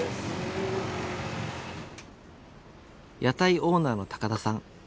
屋台オーナーの高田さん。